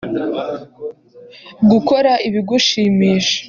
Gukora ibigushimisha